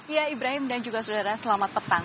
ya ibrahim dan juga saudara selamat petang